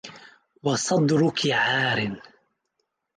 وصدركِ عارٍ